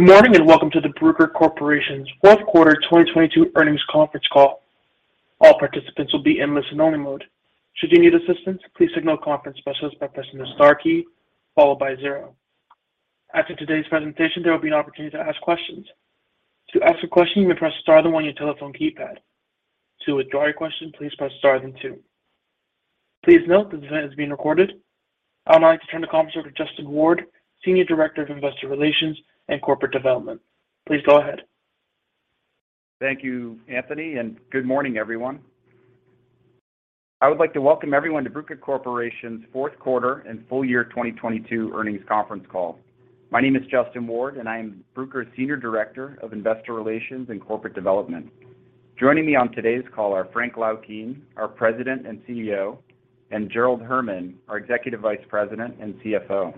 Good morning, and welcome to the Bruker Corporation's fourth quarter 2022 earnings conference call. All participants will be in listen only mode. Should you need assistance, please signal a conference specialist by pressing the star key followed by zero. After today's presentation, there will be an opportunity to ask questions. To ask a question, you may press star then one on your telephone keypad. To withdraw your question, please press star then two. Please note this event is being recorded. I would like to turn the conference over to Justin Ward, Senior Director of Investor Relations and Corporate Development. Please go ahead. Thank you, Anthony. Good morning, everyone. I would like to welcome everyone to Bruker Corporation's fourth quarter and full year 2022 earnings conference call. My name is Justin Ward and I am Bruker's Senior Director of Investor Relations and Corporate Development. Joining me on today's call are Frank Laukien, our President and CEO, and Gerald Herman, our Executive Vice President and CFO.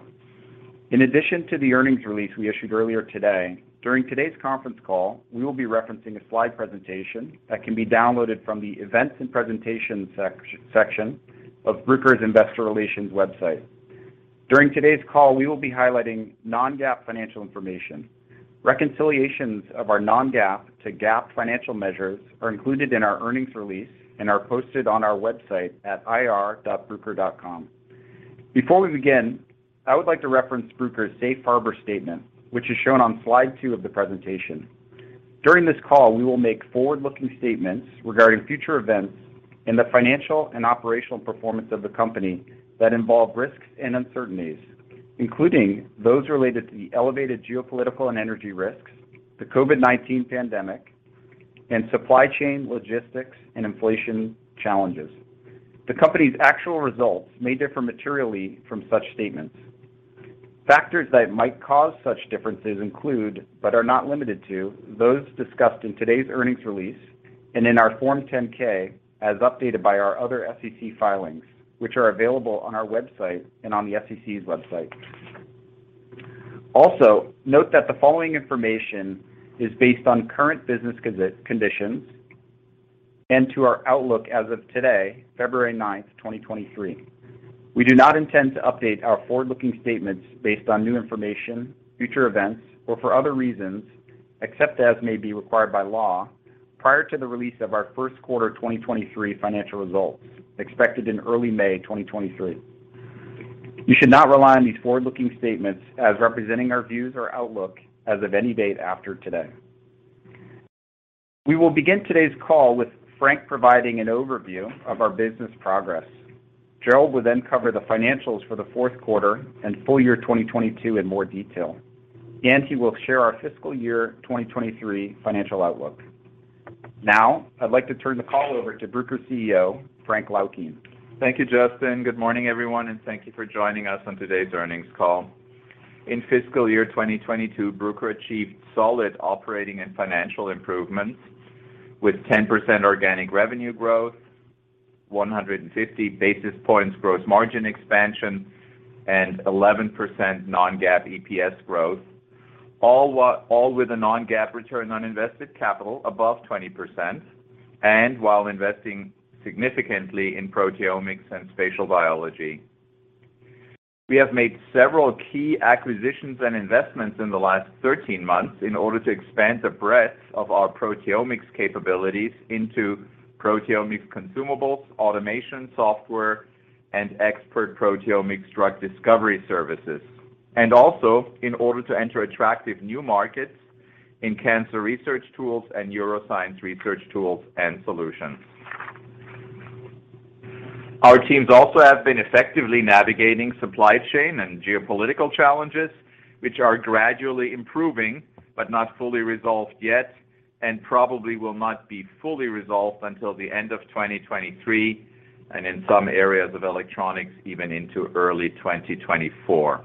In addition to the earnings release we issued earlier today, during today's conference call, we will be referencing a slide presentation that can be downloaded from the Events and Presentation section of Bruker's Investor Relations website. During today's call, we will be highlighting Non-GAAP financial information. Reconciliations of our Non-GAAP to GAAP financial measures are included in our earnings release and are posted on our website at ir.bruker.com. Before we begin, I would like to reference Bruker's Safe Harbor statement, which is shown on slide twofour of the presentation. During this call, we will make forward-looking statements regarding future events and the financial and operational performance of the company that involve risks and uncertainties, including those related to the elevated geopolitical and energy risks, the COVID-19 pandemic, and supply chain logistics and inflation challenges. The company's actual results may differ materially from such statements. Factors that might cause such differences include, but are not limited to those discussed in today's earnings release and in our Form 10-K as updated by our other SEC filings, which are available on our website and on the SEC's website. Also, note that the following information is based on current business gazette conditions and to our outlook as of today, February 9, 2023. We do not intend to update our forward-looking statements based on new information, future events, or for other reasons, except as may be required by law, prior to the release of our first quarter 2023 financial results expected in early May 2023. You should not rely on these forward-looking statements as representing our views or outlook as of any date after today. We will begin today's call with Frank providing an overview of our business progress. Gerald will then cover the financials for the fourth quarter and full year 2022 in more detail, and he will share our fiscal year 2023 financial outlook. Now, I'd like to turn the call over to Bruker CEO, Frank Laukien. Thank you, Justin. Good morning, everyone, and thank you for joining us on today's earnings call. In fiscal year 2022, Bruker achieved solid operating and financial improvements with 10% organic revenue growth, 150 basis points gross margin expansion, and 11% Non-GAAP EPS growth, all with a Non-GAAP return on invested capital above 20%, while investing significantly in proteomics and spatial biology. We have made several key acquisitions and investments in the last 13 months in order to expand the breadth of our proteomics capabilities into proteomics consumables, automation software, and expert proteomics drug discovery services, also in order to enter attractive new markets in cancer research tools and neuroscience research tools and solutions. Our teams also have been effectively navigating supply chain and geopolitical challenges, which are gradually improving but not fully resolved yet, and probably will not be fully resolved until the end of 2023, and in some areas of electronics, even into early 2024.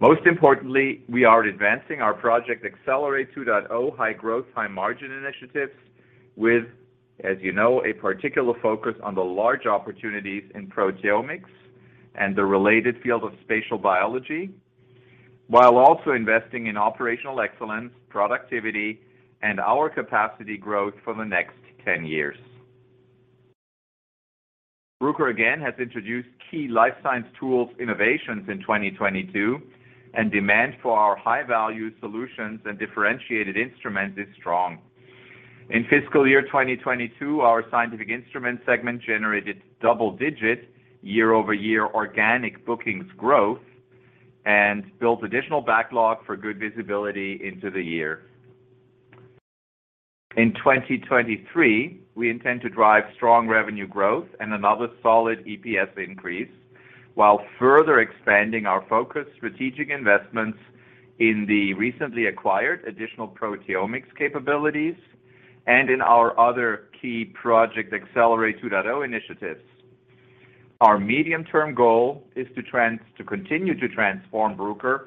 Most importantly, we are advancing our Project Accelerate 2.0 high growth, high margin initiatives with, as you know, a particular focus on the large opportunities in proteomics and the related field of spatial biology, while also investing in operational excellence, productivity, and our capacity growth for the next 10 years. Bruker, again, has introduced key life science tools innovations in 2022, and demand for our high-value solutions and differentiated instruments is strong. In fiscal year 2022, our scientific instrument segment generated double digit year-over-year organic bookings growth and built additional backlog for good visibility into the year. In 2023, we intend to drive strong revenue growth and another solid EPS increase while further expanding our focused strategic investments in the recently acquired additional proteomics capabilities and in our other key Project Accelerate 2.0 initiatives. Our medium-term goal is to continue to transform Bruker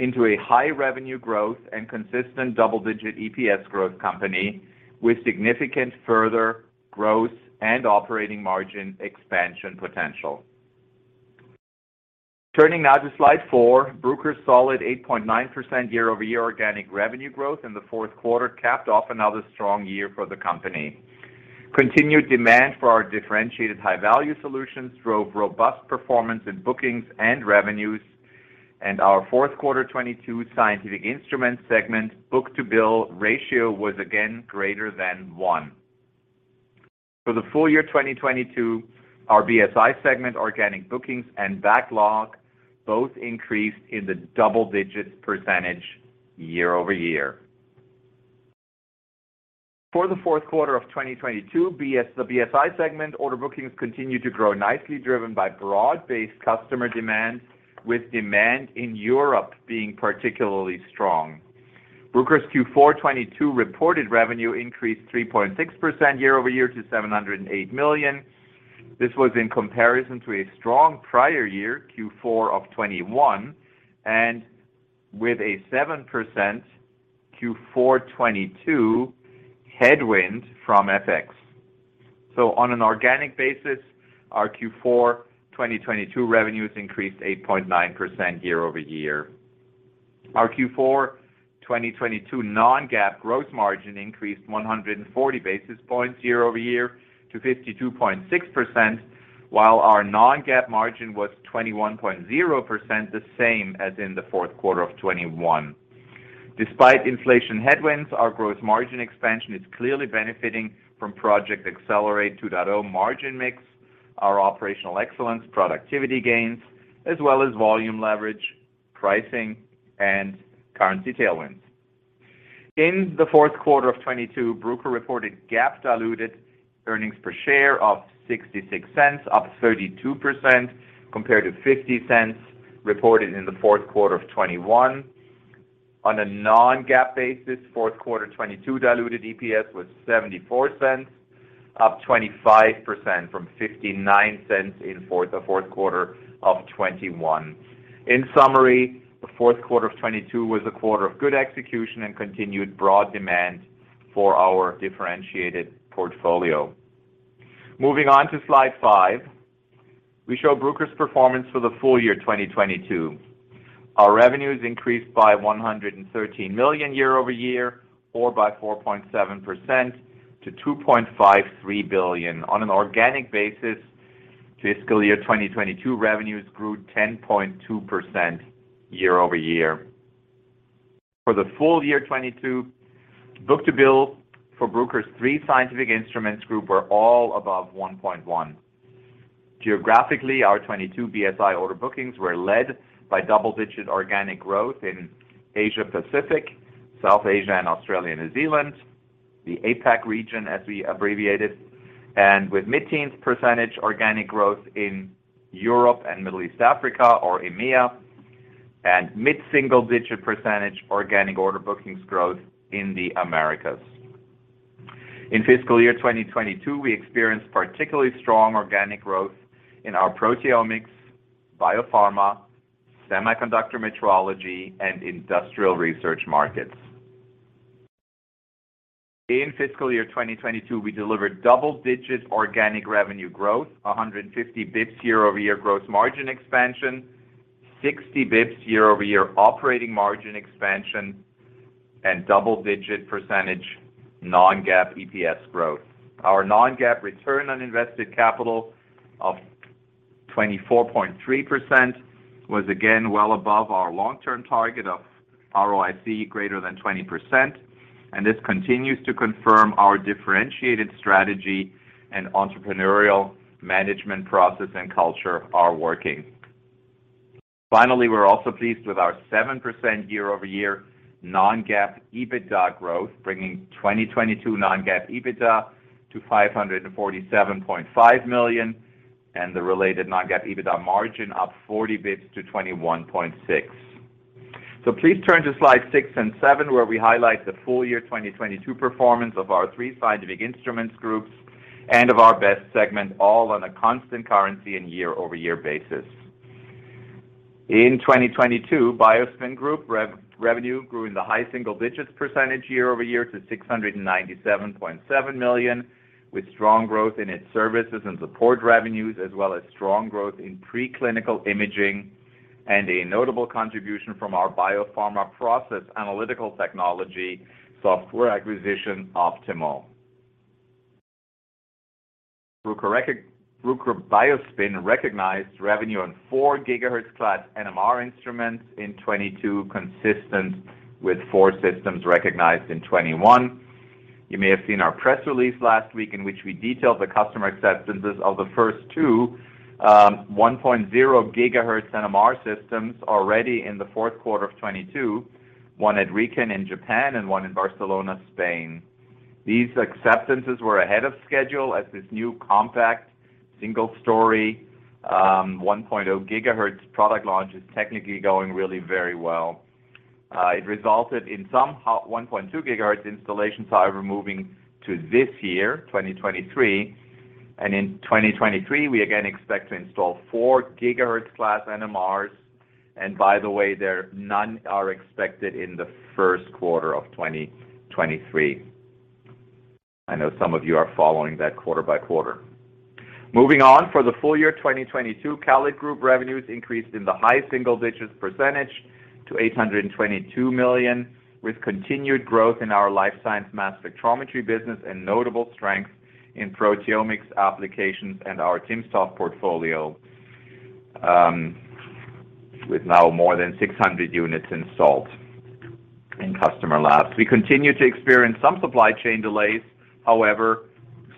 into a high revenue growth and consistent double-digit EPS growth company with significant further growth and operating margin expansion potential. Turning now to slide four. Bruker's solid 8.9% year-over-year organic revenue growth in the fourth quarter capped off another strong year for the company. Continued demand for our differentiated high-value solutions drove robust performance in bookings and revenues, and our Q4 2022 Scientific Instruments segment book-to-bill ratio was again greater than one. For the full year 2022, our BEST segment organic bookings and backlog both increased in the double-digits percentage year-over-year. For the fourth quarter of 2022, the BEST segment order bookings continued to grow nicely, driven by broad-based customer demand, with demand in Europe being particularly strong. Bruker's Q4 2022 reported revenue increased 3.6% year-over-year to $708 million. This was in comparison to a strong prior year, Q4 of 2021, and with a 7% Q4 2022 headwind from FX. On an organic basis, our Q4 2022 revenues increased 8.9% year-over-year. Our Q4 2022 Non-GAAP gross margin increased 140 basis points year-over-year to 52.6%, while our Non-GAAP margin was 21.0%, the same as in the fourth quarter of 2021. Despite inflation headwinds, our gross margin expansion is clearly benefiting from Project Accelerate 2.0 margin mix, our operational excellence productivity gains, as well as volume leverage, pricing, and currency tailwinds. In the fourth quarter of 2022, Bruker reported GAAP diluted earnings per share of $0.66, up 32% compared to $0.50 reported in the fourth quarter of 2021. On a Non-GAAP basis, fourth quarter 2022 diluted EPS was $0.74, up 25% from $0.59 in the fourth quarter of 2021. In summary, the fourth quarter of 2022 was a quarter of good execution and continued broad demand for our differentiated portfolio. Moving on to slide five, we show Bruker's performance for the full year 2022. Our revenues increased by $113 million year-over-year, or by 4.7% to $2.53 billion. On an organic basis, fiscal year 2022 revenues grew 10.2% year-over-year. For the full year 2022, book-to-bill for Bruker's three scientific instruments group were all above 1.1. Geographically, our 2022 BSI order bookings were led by double-digit organic growth in Asia Pacific, South Asia, and Australia, New Zealand, the APAC region, as we abbreviate it, and with mid-teens% organic growth in Europe and Middle East Africa, or EMEA, and mid-single-digit% organic order bookings growth in the Americas. In fiscal year 2022, we experienced particularly strong organic growth in our proteomics, biopharma, semiconductor metrology, and industrial research markets. In fiscal year 2022, we delivered double-digit organic revenue growth, 150 basis points year-over-year gross margin expansion, 60 basis points year-over-year operating margin expansion, and double-digit% Non-GAAP EPS growth. Our Non-GAAP return on invested capital of 24.3% was again well above our long-term target of ROIC greater than 20%. This continues to confirm our differentiated strategy and entrepreneurial management process and culture are working. Finally, we're also pleased with our 7% year-over-year Non-GAAP EBITDA growth, bringing 2022 Non-GAAP EBITDA to $547.5 million, and the related Non-GAAP EBITDA margin up 40 bps to 21.6%. Please turn to slide six and seven, where we highlight the full year 2022 performance of our three scientific instruments groups and of our BEST segment, all on a constant currency and year-over-year basis. In 2022, BioSpin Group revenue grew in the high single digits % year-over-year to $697.7 million, with strong growth in its services and support revenues, as well as strong growth in preclinical imaging and a notable contribution from our biopharma process analytical technology software acquisition, Optimal. Bruker BioSpin recognized revenue on 4 GHz-class NMR instruments in 2022, consistent with four systems recognized in 2021. You may have seen our press release last week in which we detailed the customer acceptances of the first two, 1.0 GHz NMR systems already in the fourth quarter of 2022, one at RIKEN in Japan and one in Barcelona, Spain. These acceptances were ahead of schedule as this new compact single-story, 1.0 GHz product launch is technically going really very well. It resulted in some hot 1.2 GHz installations, however, moving to this year, 2023. In 2023, we again expect to install 4 GHz-class NMRs. By the way, there none are expected in the first quarter of 2023. I know some of you are following that quarter by quarter. Moving on, for the full year 2022, CALID Group revenues increased in the high single digits % to $822 million, with continued growth in our life science mass spectrometry business and notable strength in proteomics applications and our timsTOF portfolio, with now more than 600 units installed in customer labs. We continue to experience some supply chain delays, however,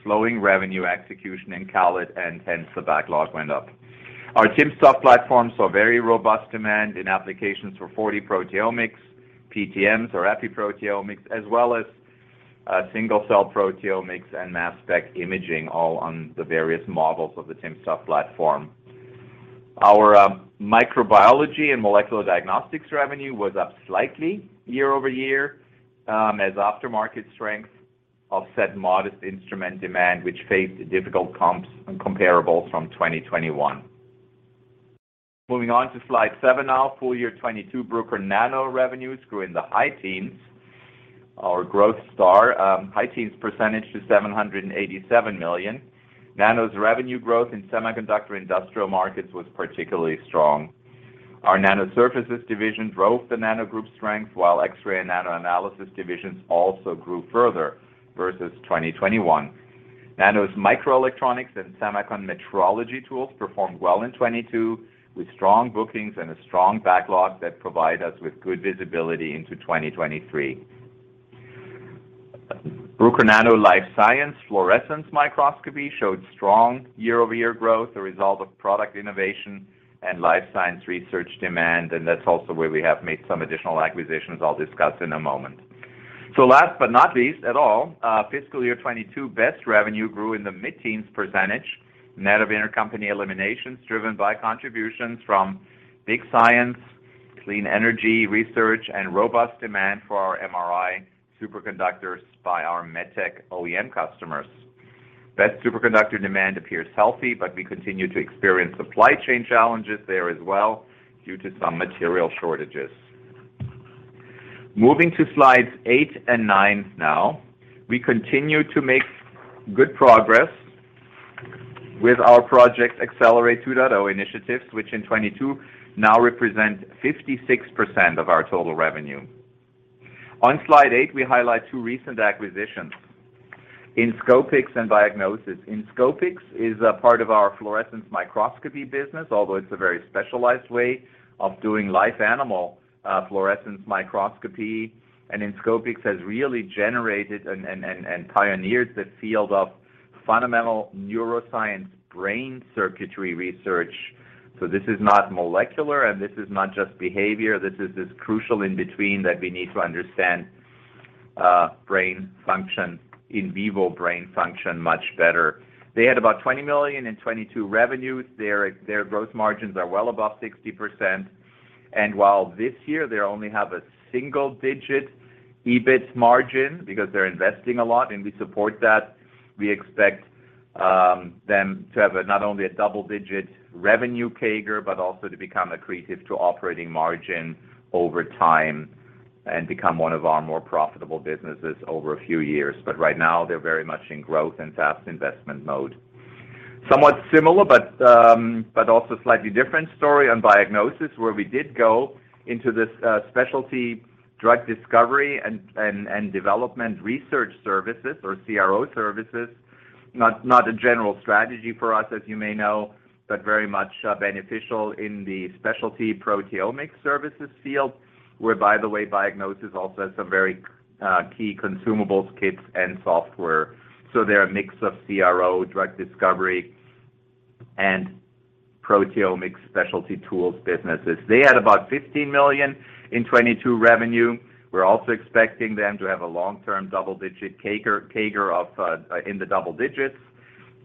slowing revenue execution in CALID and hence the backlog went up. Our timsTOF platforms saw very robust demand in applications for 4D proteomics, PTMs or epiproteomics, as well as, single-cell proteomics and mass spec imaging all on the various models of the timsTOF platform. Our microbiology and molecular diagnostics revenue was up slightly year-over-year, as aftermarket strength offset modest instrument demand, which faced difficult comps and comparables from 2021. Moving on to slide seven now. Full year 2022, Bruker Nano revenues grew in the high teens. Our growth star, high teens percentage to $787 million. Nano's revenue growth in semiconductor industrial markets was particularly strong. Our Nano Surfaces division drove the Nano group's strength, while X-ray and Nano Analysis divisions also grew further versus 2021. Nano's microelectronics and semiconductor metrology tools performed well in 2022, with strong bookings and a strong backlog that provide us with good visibility into 2023. Bruker Nano Life Science fluorescence microscopy showed strong year-over-year growth, a result of product innovation and life science research demand, that's also where we have made some additional acquisitions I'll discuss in a moment. Last but not least at all, fiscal year 2022, Best revenue grew in the mid-teens %, net of intercompany eliminations driven by contributions from big science, clean energy research, and robust demand for our MRI superconductors by our MedTech OEM customers. Best superconductor demand appears healthy, we continue to experience supply chain challenges there as well due to some material shortages. Moving to slides eight and nine now. We continue to make good progress with our Project Accelerate 2.0 initiatives, which in 2022 now represent 56% of our total revenue. On slide eight, we highlight two recent acquisitions, Inscopix and Neurescence. Inscopix is a part of our fluorescence microscopy business, although it's a very specialized way of doing life animal, fluorescence microscopy. Inscopix has really generated and pioneered the field of fundamental neuroscience brain circuitry research. This is not molecular, and this is not just behavior. This is this crucial in between that we need to understand, brain function, in vivo brain function much better. They had about $20 million in 2022 revenues. Their, their growth margins are well above 60%. While this year they only have a single-digit EBIT margin because they're investing a lot, and we support that, we expect them to have not only a double-digit revenue CAGR, but also to become accretive to operating margin over time and become one of our more profitable businesses over a few years. Right now, they're very much in growth and fast investment mode. Somewhat similar but also slightly different story on Biognosys, where we did go into this specialty drug discovery and development research services or CRO services. Not a general strategy for us, as you may know, but very much beneficial in the specialty proteomics services field, where by the way, biognosys also has some very key consumables, kits, and software. They're a mix of CRO drug discovery and proteomics specialty tools businesses. They had about $15 million in 2022 revenue. We're also expecting them to have a long-term double-digit CAGR in the double digits.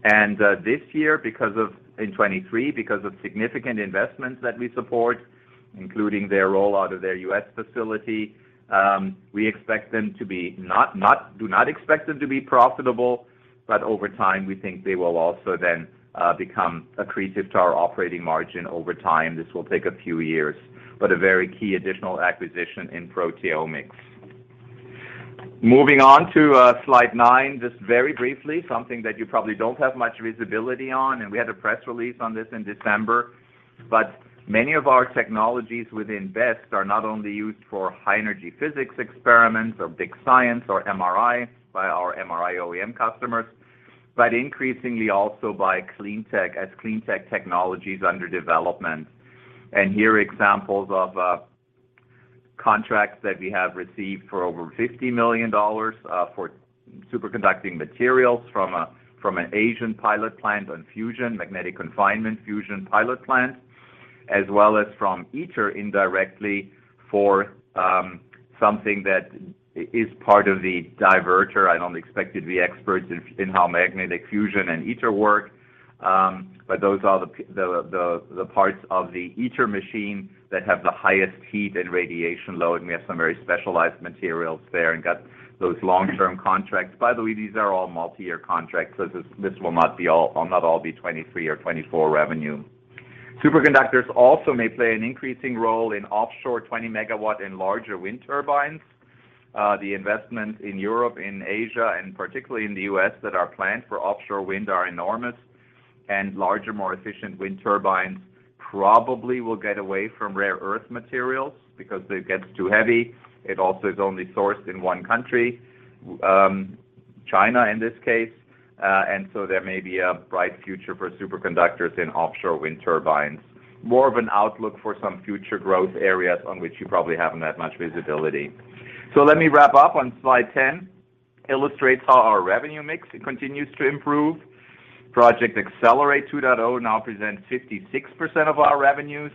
This year in 2023, because of significant investments that we support, including their rollout of their US facility, we do not expect them to be profitable, but over time, we think they will also then become accretive to our operating margin over time. This will take a few years, but a very key additional acquisition in proteomics. Moving on to slide nine, just very briefly, something that you probably don't have much visibility on. We had a press release on this in December. Many of our technologies within BEST are not only used for high energy physics experiments or big science or MRI by our MRI OEM customers, but increasingly also by clean tech as clean tech technology is under development. Here are examples of contracts that we have received for over $50 million for superconducting materials from an Asian pilot plant on fusion, magnetic confinement fusion pilot plant, as well as from ITER indirectly for something that is part of the diverter. I don't expect you to be experts in how magnetic fusion and ITER work, those are the parts of the ITER machine that have the highest heat and radiation load, and we have some very specialized materials there and got those long-term contracts. By the way, these are all multi-year contracts, this will not be all or not all be 23 or 24 revenue. Superconductors also may play an increasing role in offshore 20-megawatt and larger wind turbines. The investment in Europe, in Asia, and particularly in the U.S. that are planned for offshore wind are enormous, larger, more efficient wind turbines probably will get away from rare earth materials because it gets too heavy. It also is only sourced in 1 country, China in this case, there may be a bright future for superconductors in offshore wind turbines. More of an outlook for some future growth areas on which you probably haven't that much visibility. Let me wrap up on slide 10, illustrates how our revenue mix continues to improve. Project Accelerate 2.0 now presents 56% of our revenues.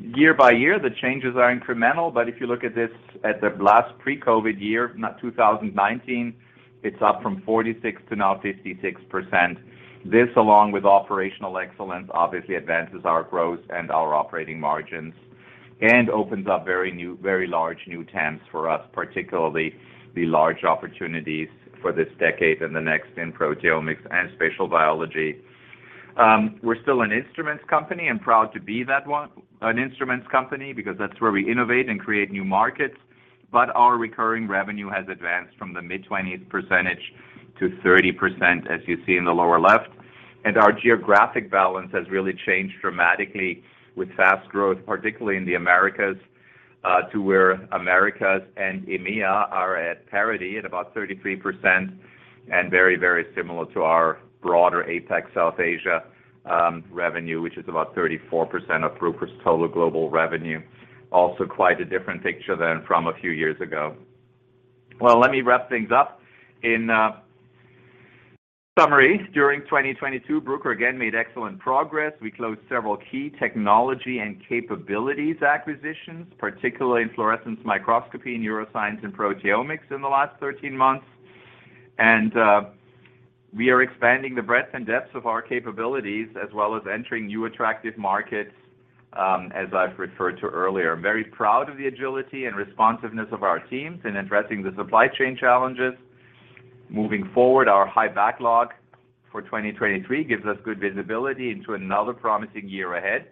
Year by year, the changes are incremental, but if you look at this at the last pre-COVID year, not 2019, it's up from 46% to now 56%. This, along with operational excellence, obviously advances our growth and our operating margins and opens up very large new tents for us, particularly the large opportunities for this decade and the next in proteomics and spatial biology. We're still an instruments company and proud to be that one, an instruments company, because that's where we innovate and create new markets. Our recurring revenue has advanced from the mid-20s% to 30%, as you see in the lower left. Our geographic balance has really changed dramatically with fast growth, particularly in the Americas, to where Americas and EMEA are at parity at about 33% and very similar to our broader APAC, South Asia, revenue, which is about 34% of Bruker's total global revenue. Also quite a different picture than from a few years ago. Well, let me wrap things up. In summary, during 2022, Bruker again made excellent progress. We closed several key technology and capabilities acquisitions, particularly in fluorescence microscopy, neuroscience, and proteomics in the last 13 months. We are expanding the breadth and depth of our capabilities as well as entering new attractive markets, as I've referred to earlier. I'm very proud of the agility and responsiveness of our teams in addressing the supply chain challenges. Moving forward, our high backlog for 2023 gives us good visibility into another promising year ahead.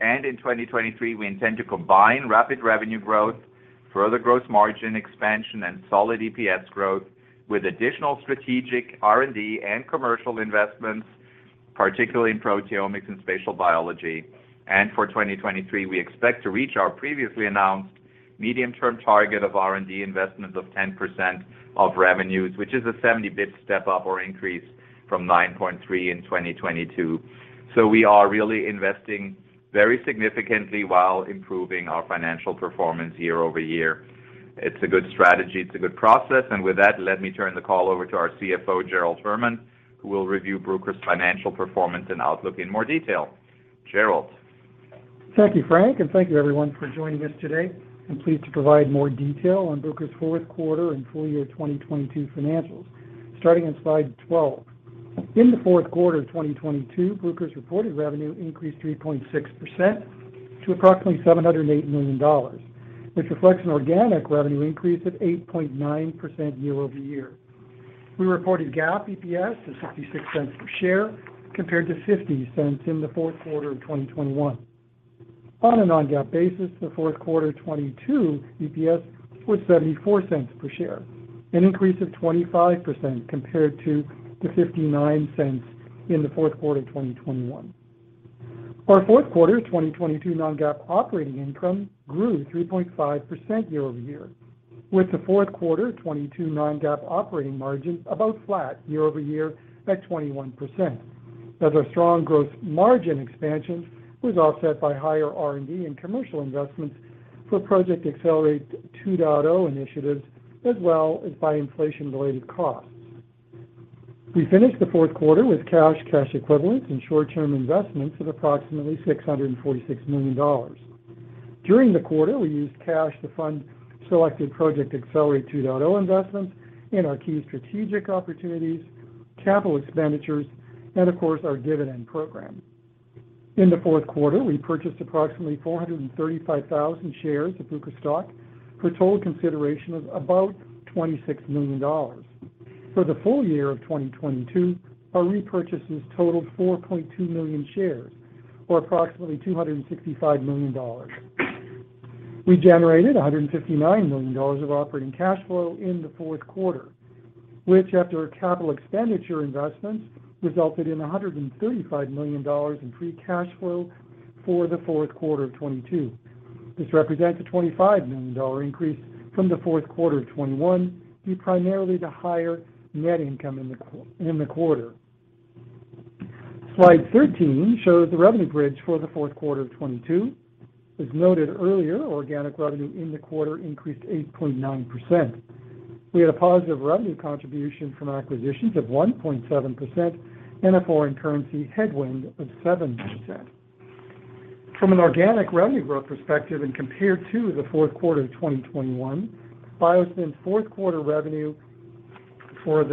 In 2023, we intend to combine rapid revenue growth, further gross margin expansion, and solid EPS growth with additional strategic R&D and commercial investments, particularly in proteomics and spatial biology. For 2023, we expect to reach our previously announced medium-term target of R&D investment of 10% of revenues, which is a 70 basis point step-up or increase from 9.3% in 2022. We are really investing very significantly while improving our financial performance year-over-year. It's a good strategy, it's a good process. With that, let me turn the call over to our CFO, Gerald Herman, who will review Bruker's financial performance and outlook in more detail. Gerald. Thank you, Frank. Thank you everyone for joining us today. I'm pleased to provide more detail on Bruker's fourth quarter and full year 2022 financials. Starting on slide 12. In the fourth quarter of 2022, Bruker's reported revenue increased 3.6% to approximately $708 million, which reflects an organic revenue increase of 8.9% year-over-year. We reported GAAP EPS of $0.56 per share compared to $0.50 in the fourth quarter of 2021. On a Non-GAAP basis, the fourth quarter 2022 EPS was $0.74 per share, an increase of 25% compared to the $0.59 in the fourth quarter of 2021. Our fourth quarter 2022 Non-GAAP operating income grew 3.5% year-over-year, with the fourth quarter 2022 Non-GAAP operating margin about flat year-over-year at 21%, as our strong gross margin expansion was offset by higher R&D and commercial investments for Project Accelerate 2.0 initiatives, as well as by inflation-related costs. We finished the fourth quarter with cash equivalents, and short-term investments of approximately $646 million. During the quarter, we used cash to fund selected Project Accelerate 2.0 investments in our key strategic opportunities, capital expenditures, and of course, our dividend program. In the fourth quarter, we purchased approximately 435,000 shares of Bruker stock for total consideration of about $26 million. For the full year of 2022, our repurchases totaled 4.2 million shares, or approximately $265 million. We generated $159 million of operating cash flow in the fourth quarter, which after capital expenditure investments, resulted in $135 million in free cash flow for the fourth quarter of 2022. This represents a $25 million increase from the fourth quarter of 2021 due primarily to higher net income in the quarter. slide 13 shows the revenue bridge for the fourth quarter of 2022. As noted earlier, organic revenue in the quarter increased 8.9%. We had a positive revenue contribution from acquisitions of 1.7% and a foreign currency headwind of 7%. From an organic revenue growth perspective, compared to the fourth quarter of 2021, BioSpin's fourth quarter revenue for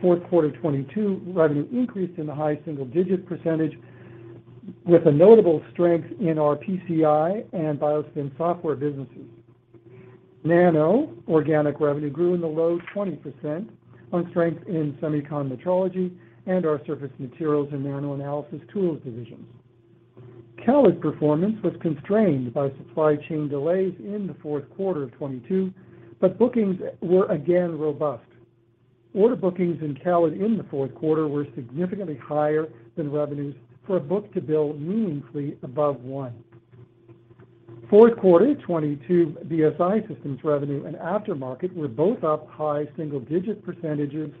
fourth quarter 2022 increased in the high single-digit % with a notable strength in our BCI and BioSpin software businesses. Bruker Nano organic revenue grew in the low 20% on strength in semiconductor metrology and our surface materials and nanoanalysis tools divisions. CALID's performance was constrained by supply chain delays in the fourth quarter of 2022, bookings were again robust. Order bookings in CALID in the fourth quarter were significantly higher than revenues for a book-to-bill meaningfully above one. Fourth quarter 2022 BSI Systems revenue and aftermarket were both up high single-digit %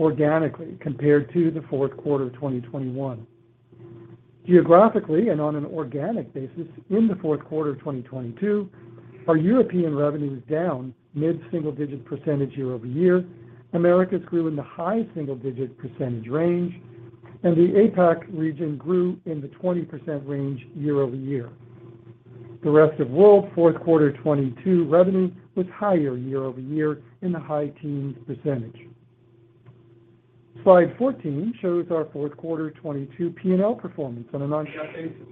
organically compared to the fourth quarter of 2021. Geographically, on an organic basis, in the fourth quarter of 2022, our European revenue was down mid-single digit % year-over-year. Americas grew in the high single-digit % range, and the APAC region grew in the 20% range year-over-year. The Rest of World fourth quarter 2022 revenue was higher year-over-year in the high teens %. slide 14 shows our fourth quarter 2022 P&L performance on a Non-GAAP basis.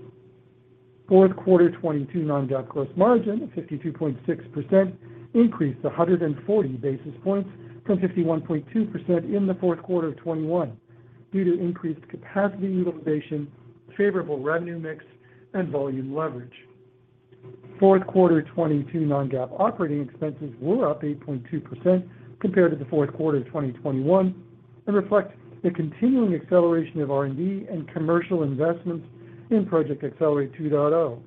Fourth quarter 2022 Non-GAAP gross margin of 52.6% increased 140 basis points from 51.2% in the fourth quarter of 2021 due to increased capacity utilization, favorable revenue mix, and volume leverage. Fourth quarter 2022 Non-GAAP operating expenses were up 8.2% compared to the fourth quarter of 2021 and reflect the continuing acceleration of R&D and commercial investments in Project Accelerate 2.0,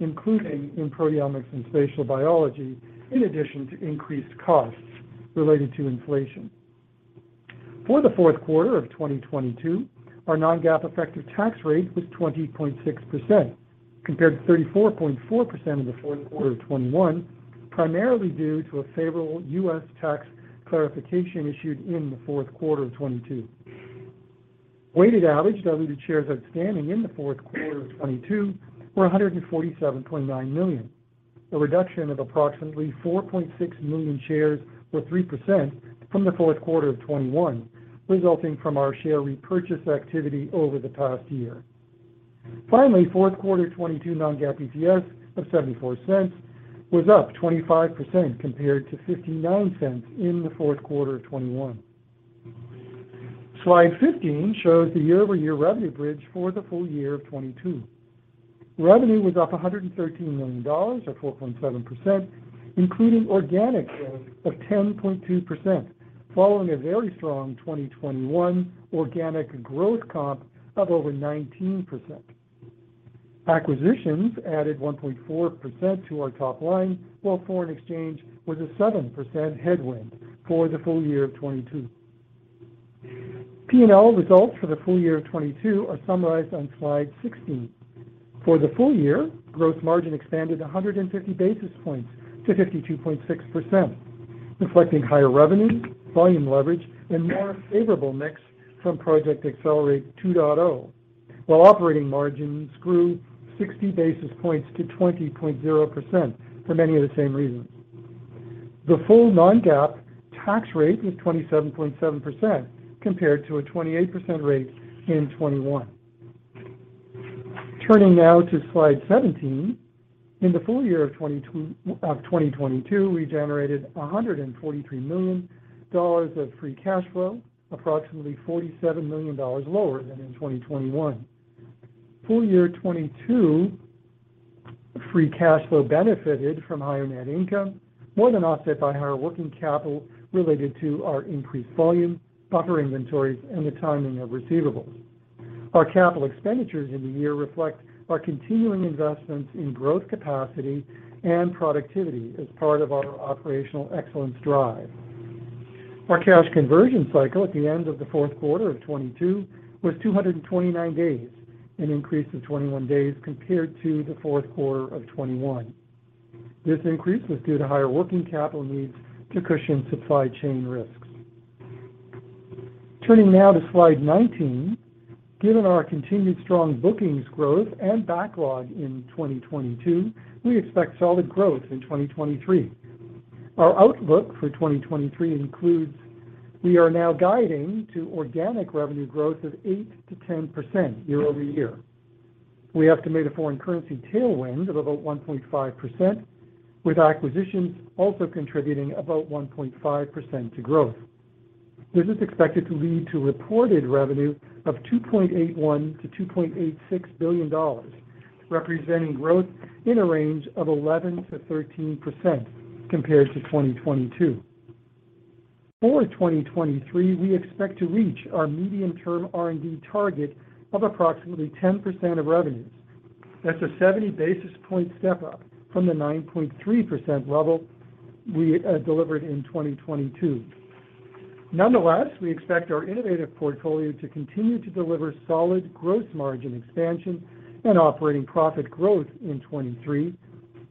including in proteomics and spatial biology, in addition to increased costs related to inflation. For the fourth quarter of 2022, our Non-GAAP effective tax rate was 20.6% compared to 34.4% in the fourth quarter of 2021, primarily due to a favorable U.S. tax clarification issued in the fourth quarter of 2022. Weighted average diluted shares outstanding in the fourth quarter of 2022 were 147.9 million, a reduction of approximately 4.6 million shares or 3% from the fourth quarter of 2021, resulting from our share repurchase activity over the past year. Finally, fourth quarter 2022 Non-GAAP EPS of $0.74 was up 25% compared to $0.59 in the fourth quarter of 2021. slide 15 shows the year-over-year revenue bridge for the full year of 2022. Revenue was up $113 million or 4.7%, including organic growth of 10.2%, following a very strong 2021 organic growth comp of over 19%. Acquisitions added 1.4% to our top line, while foreign exchange was a 7% headwind for the full year of 2022. P&L results for the full year of 2022 are summarized on slide 16. For the full year, gross margin expanded 150 basis points to 52.6%, reflecting higher revenue, volume leverage, and more favorable mix from Project Accelerate 2.0, while operating margins grew 60 basis points to 20.0% for many of the same reasons. The full Non-GAAP tax rate was 27.7% compared to a 28% rate in 2021. Turning now to slide 17. In the full year of 2022, we generated $143 million of free cash flow, approximately $47 million lower than in 2021. Full year 2022 free cash flow benefited from higher net income, more than offset by higher working capital related to our increased volume, buffer inventories, and the timing of receivables. Our capital expenditures in the year reflect our continuing investments in growth capacity and productivity as part of our operational excellence drive. Our cash conversion cycle at the end of the fourth quarter of 2022 was 229 days, an increase of 21 days compared to the fourth quarter of 2021. This increase was due to higher working capital needs to cushion supply chain risks. Turning now to slide 19. Given our continued strong bookings growth and backlog in 2022, we expect solid growth in 2023. Our outlook for 2023 includes we are now guiding to organic revenue growth of 8%-10% year-over-year. We estimate a foreign currency tailwind of about 1.5%, with acquisitions also contributing about 1.5% to growth. This is expected to lead to reported revenue of $2.81 billion-$2.86 billion, representing growth in a range of 11%-13% compared to 2022. For 2023, we expect to reach our medium-term R&D target of approximately 10% of revenues. That's a 70 basis point step-up from the 9.3% level we delivered in 2022. Nonetheless, we expect our innovative portfolio to continue to deliver solid gross margin expansion and operating profit growth in 2023,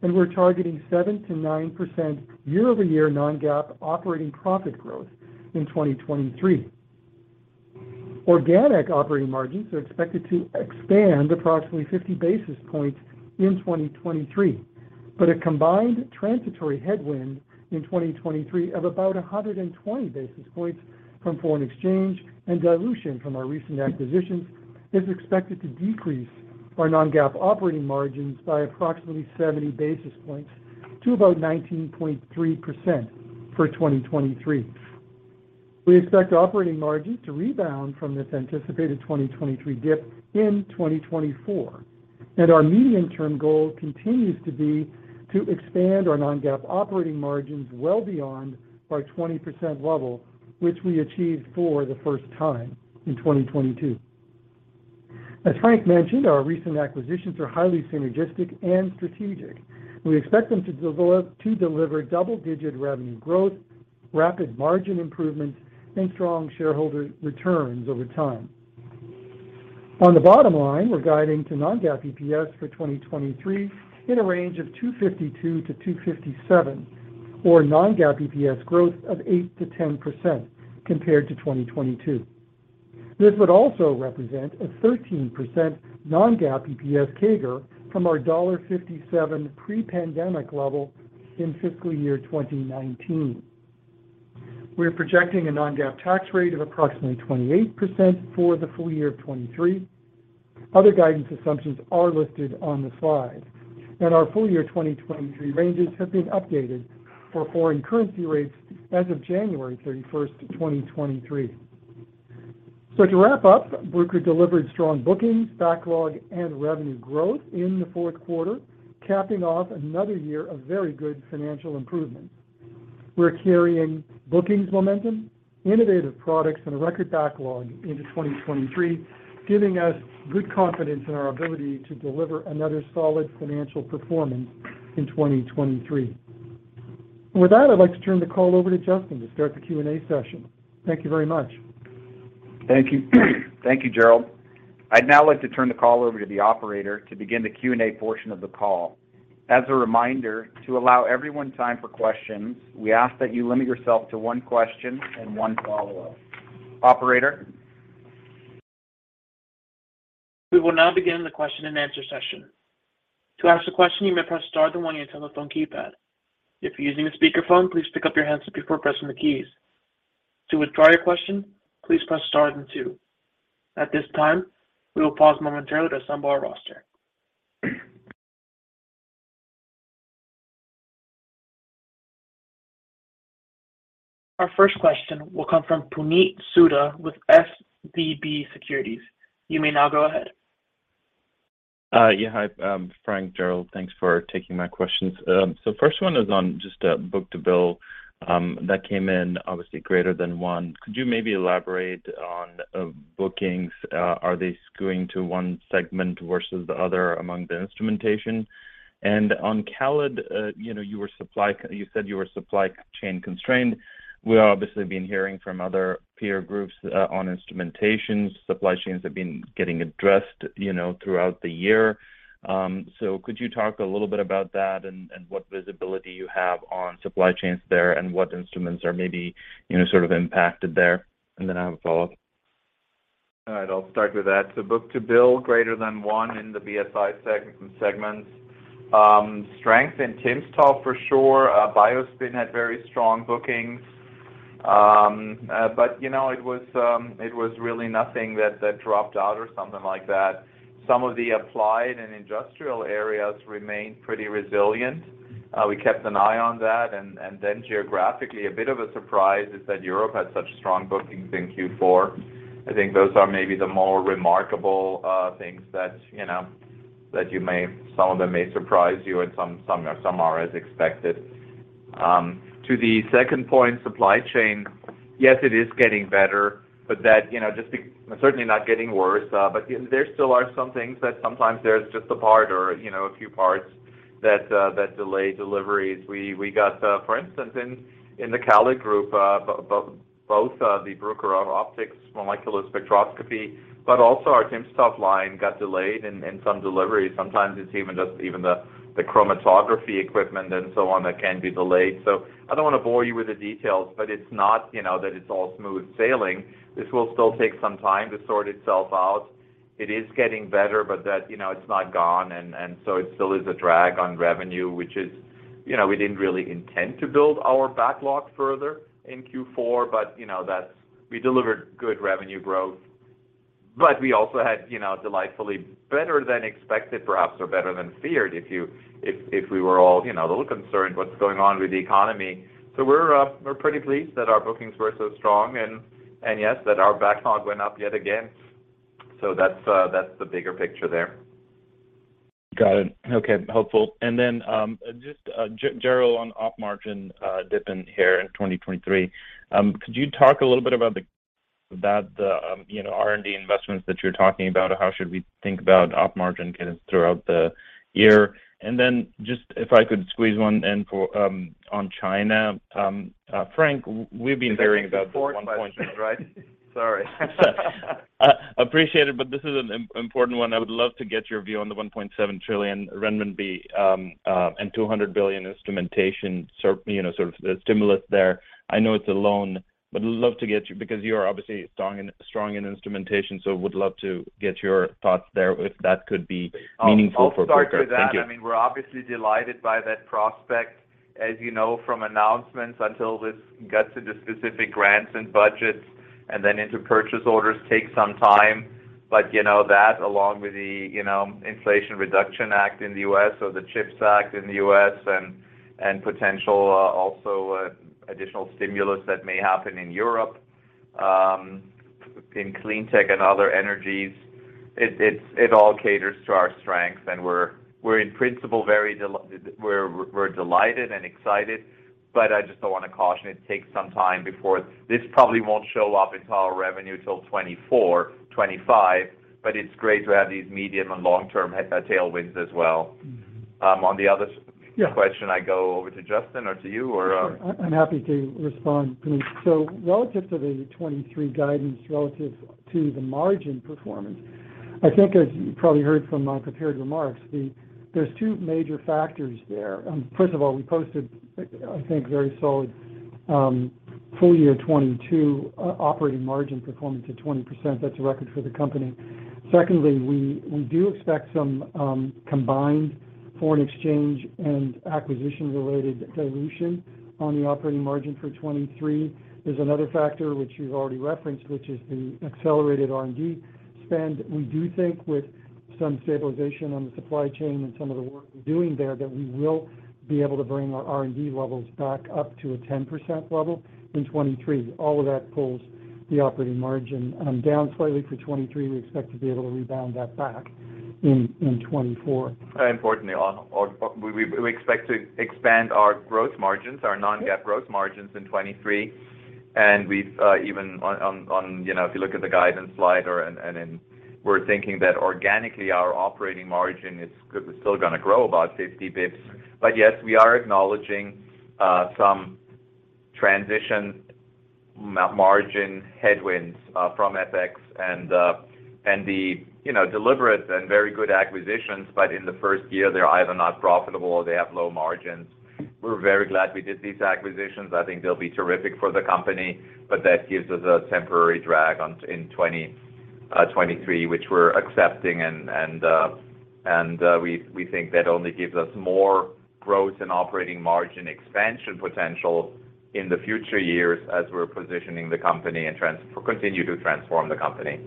and we're targeting 7%-9% year-over-year Non-GAAP operating profit growth in 2023. Organic operating margins are expected to expand approximately 50 basis points in 2023, but a combined transitory headwind in 2023 of about 120 basis points from foreign exchange and dilution from our recent acquisitions is expected to decrease our Non-GAAP operating margins by approximately 70 basis points to about 19.3% for 2023. We expect operating margins to rebound from this anticipated 2023 dip in 2024, and our medium-term goal continues to be to expand our Non-GAAP operating margins well beyond our 20% level, which we achieved for the first time in 2022. As Frank mentioned, our recent acquisitions are highly synergistic and strategic. We expect them to deliver double-digit revenue growth, rapid margin improvements, and strong shareholder returns over time. On the bottom line, we're guiding to Non-GAAP EPS for 2023 in a range of $2.52-$2.57, or Non-GAAP EPS growth of 8%-10% compared to 2022. This would also represent a 13% Non-GAAP EPS CAGR from our $1.57 pre-pandemic level in fiscal year 2019. We're projecting a Non-GAAP tax rate of approximately 28% for the full year of 2023. Other guidance assumptions are listed on the slide. Our full year 2023 ranges have been updated for foreign currency rates as of January 31, 2023. To wrap up, Bruker delivered strong bookings, backlog, and revenue growth in the fourth quarter, capping off another year of very good financial improvement. We're carrying bookings momentum, innovative products, and a record backlog into 2023, giving us good confidence in our ability to deliver another solid financial performance in 2023. With that, I'd like to turn the call over to Justin to start the Q&A session. Thank you very much. Thank you. Thank you, Gerald. I'd now like to turn the call over to the operator to begin the Q&A portion of the call. As a reminder, to allow everyone time for questions, we ask that you limit yourself to one question and one follow-up. Operator? We will now begin the question-and-answer session. To ask a question, you may press star then one on your telephone keypad. If you're using a speakerphone, please pick up your handset before pressing the keys. To withdraw your question, please press star then two. At this time, we will pause momentarily to assemble our roster. Our first question will come from Puneet Souda with SVB Securities. You may now go ahead. Yeah. Hi, Frank, Gerald. Thanks for taking my questions. First one is on just book-to-bill that came in obviously greater than one. Could you maybe elaborate on bookings? Are they skewing to one segment versus the other among the instrumentation? On CALID, you know, you said you were supply chain-constrained. We obviously have been hearing from other peer groups on instrumentations. Supply chains have been getting addressed, you know, throughout the year. Could you talk a little bit about that and what visibility you have on supply chains there and what instruments are maybe, you know, sort of impacted there? I have a follow-up. All right, I'll start with that. The book-to-bill greater than one in the BSI segments. Strength in timsTOF for sure. BioSpin had very strong bookings. You know, it was really nothing that dropped out or something like that. Some of the applied and industrial areas remained pretty resilient. We kept an eye on that, and then geographically, a bit of a surprise is that Europe had such strong bookings in Q4. I think those are maybe the more remarkable things that, you know, that some of them may surprise you and some are as expected. To the second point, supply chain, yes, it is getting better, but that, you know, certainly not getting worse, but there still are some things that sometimes there's just a part or, you know, a few parts that delay deliveries. We got, for instance, in the CALID Group, both the Bruker Optics molecular spectroscopy, but also our timsTOF line got delayed in some deliveries. Sometimes it's even just even the chromatography equipment and so on that can be delayed. I don't want to bore you with the details, but it's not, you know, that it's all smooth sailing. This will still take some time to sort itself out. It is getting better, that, you know, it's not gone and so it still is a drag on revenue, which is, you know, we didn't really intend to build our backlog further in Q4. You know, that's we delivered good revenue growth. We also had, you know, delightfully better than expected perhaps, or better than feared if we were all, you know, a little concerned what's going on with the economy. We're pretty pleased that our bookings were so strong and, yes, that our backlog went up yet again. That's the bigger picture there. Got it. Okay. Helpful. Just Gerald, on op margin, dipping here in 2023, could you talk a little bit about the, you know, R&D investments that you're talking about? How should we think about op margin kind of throughout the year? Just if I could squeeze one in for on China, Frank, we've been hearing about this one point- Is that three, four questions, right? Sorry. Appreciate it, but this is an important one. I would love to get your view on the 1.7 trillion renminbi and $200 billion instrumentation sort of the stimulus there. I know it's a loan, but because you are obviously strong in instrumentation, so would love to get your thoughts there if that could be meaningful for Bruker. Thank you. I'll start with that. I mean, we're obviously delighted by that prospect. As you know from announcements until this gets into specific grants and budgets and then into purchase orders takes some time. you know that along with the, you know, Inflation Reduction Act in the U.S., or the CHIPS Act in the U.S. and potential also additional stimulus that may happen in Europe, in clean tech and other energies, it, it all caters to our strengths, and we're in principle, very we're delighted and excited, but I just don't want to caution it takes some time. This probably won't show up into our revenue till 2024, 2025, but it's great to have these medium and long-term tailwinds as well. on the other. Yeah Question, I go over to Justin or to you or. Sure. I'm happy to respond, Puneet. Relative to the 2023 guidance, relative to the margin performance, I think as you probably heard from my prepared remarks, there's two major factors there. First of all, we posted, I think very solid, full year 2022 operating margin performance at 20%. That's a record for the company. Secondly, we do expect some combined foreign exchange and acquisition-related dilution on the operating margin for 2023. There's another factor which you've already referenced, which is the accelerated R&D spend. We do think with some stabilization on the supply chain and some of the work we're doing there, that we will be able to bring our R&D levels back up to a 10% level in 2023. All of that pulls the operating margin down slightly for 2023. We expect to be able to rebound that back in 2024. Importantly, we expect to expand our growth margins, our Non-GAAP growth margins in 2023. We've, even, you know, if you look at the guidance slide and we're thinking that organically our operating margin is still gonna grow about 50 basis points. Yes, we are acknowledging some transition margin headwinds from FX and the, you know, deliberate and very good acquisitions. In the first year, they're either not profitable or they have low margins. We're very glad we did these acquisitions. I think they'll be terrific for the company, but that gives us a temporary drag on in 2023, which we're accepting and we think that only gives us more growth and operating margin expansion potential in the future years as we're positioning the company and continue to transform the company.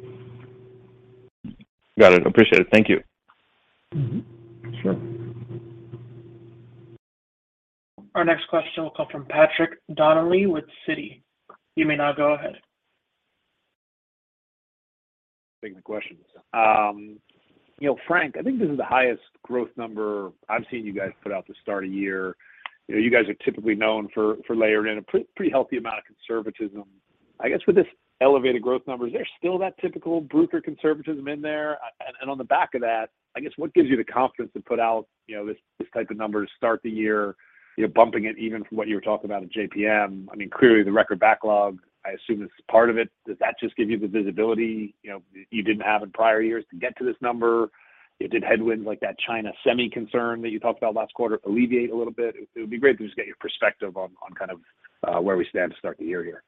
Got it. Appreciate it. Thank you. Mm-hmm. Sure. Our next question will come from Patrick Donnelly with Citi. You may now go ahead. Taking the question. You know, Frank, I think this is the highest growth number I've seen you guys put out to start a year. You know, you guys are typically known for layering in a pretty healthy amount of conservatism. I guess, with this elevated growth numbers, is there still that typical Bruker conservatism in there? On the back of that, I guess what gives you the confidence to put out, you know, this type of number to start the year, you know, bumping it even from what you were talking about at JPM? I mean, clearly the record backlog, I assume is part of it. Does that just give you the visibility, you know, you didn't have in prior years to get to this number? Did headwinds like that China semi concern that you talked about last quarter alleviate a little bit? It would be great to just get your perspective on kind of where we stand to start the year here.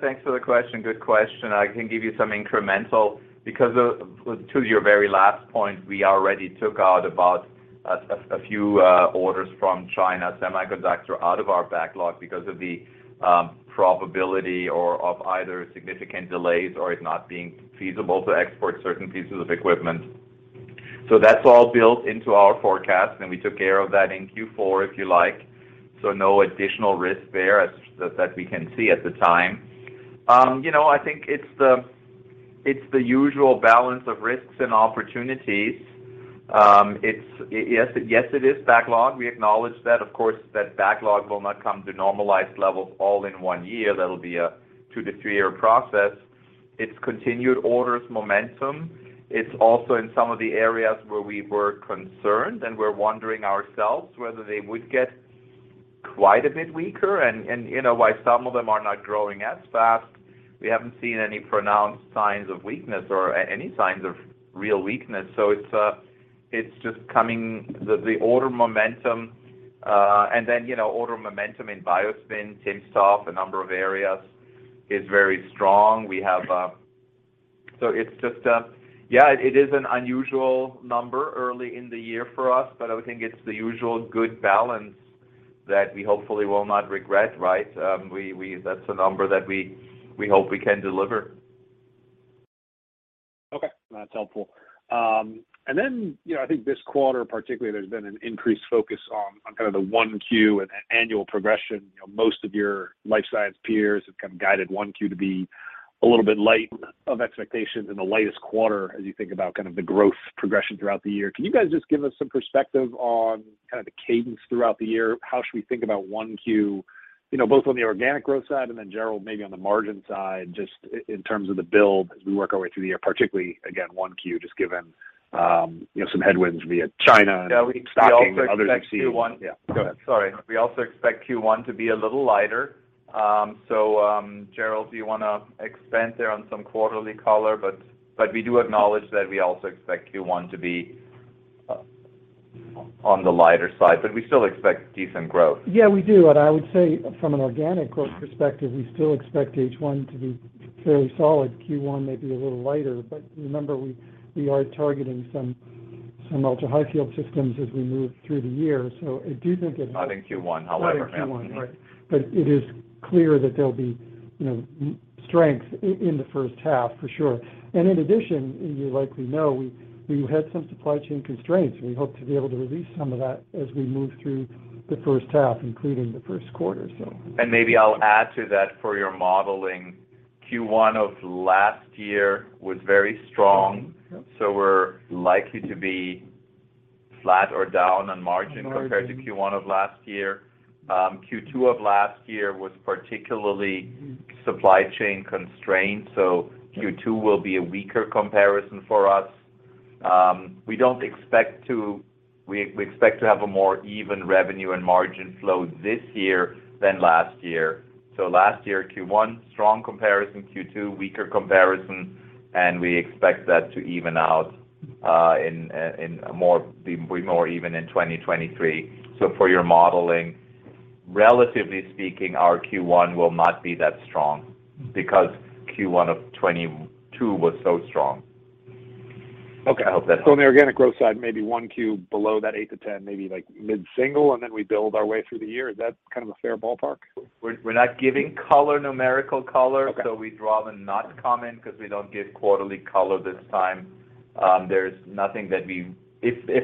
Thanks for the question. Good question. I can give you some incremental because to your very last point, we already took out about a few orders from China Semiconductor out of our backlog because of the probability or of either significant delays or it not being feasible to export certain pieces of equipment. That's all built into our forecast, and we took care of that in Q4, if you like. No additional risk there that we can see at the time. You know, I think it's the usual balance of risks and opportunities. Yes, it is backlog. We acknowledge that. Of course, that backlog will not come to normalized levels all in one year. That'll be a two to three-year process. It's continued orders momentum. It's also in some of the areas where we were concerned, and we're wondering ourselves whether they would get quite a bit weaker and, you know, why some of them are not growing as fast. We haven't seen any pronounced signs of weakness or any signs of real weakness. It's just coming the order momentum. You know, order momentum in BioSpin, timsTOF, a number of areas is very strong. We have. It's just, yeah, it is an unusual number early in the year for us, but I would think it's the usual good balance that we hopefully will not regret, right? We, that's a number that we hope we can deliver. Okay. That's helpful. Then, you know, I think this quarter particularly, there's been an increased focus on kind of the 1Q and annual progression. You know, most of your life science peers have kind of guided 1Q to be a little bit light of expectations in the latest quarter as you think about kind of the growth progression throughout the year. Can you guys just give us some perspective on kind of the cadence throughout the year? How should we think about 1Q, you know, both on the organic growth side and then Gerald, maybe on the margin side, just in terms of the build as we work our way through the year, particularly again, 1Q, just given, you know, some headwinds via China and stocking and others you're seeing? Yeah. We also expect. Yeah, go ahead. Sorry. We also expect Q1 to be a little lighter. Gerald, do you wanna expand there on some quarterly color? We do acknowledge that we also expect Q1 to be on the lighter side, but we still expect decent growth. Yeah, we do. I would say from an organic growth perspective, we still expect H1 to be fairly solid. Q1 may be a little lighter, but remember, we are targeting some ultra-high field systems as we move through the year. I do think. Not in Q1, however, Matt. Not in Q1, right. It is clear that there'll be, you know, strength in the first half for sure. In addition, you likely know, we had some supply chain constraints. We hope to be able to release some of that as we move through the first half, including the first quarter, so. Maybe I'll add to that for your modeling. Q1 of last year was very strong. Yep We're likely to be flat or down on margin. Margin Compared to Q1 of last year. Q2 of last year was particularly supply chain constrained, so Q2 will be a weaker comparison for us. We expect to have a more even revenue and margin flow this year than last year. Last year, Q1, strong comparison. Q2, weaker comparison, and we expect that to even out in more be more even in 2023. For your modeling, relatively speaking, our Q1 will not be that strong because Q1 of 2022 was so strong. Okay. I hope that helps. On the organic growth side, maybe 1 Q below that 8-10, maybe like mid-single, and then we build our way through the year. Is that kind of a fair ballpark? We're not giving color, numerical color. Okay. We'd rather not comment because we don't give quarterly color this time. If